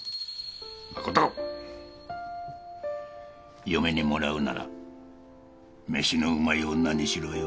真嫁にもらうなら飯のうまい女にしろよ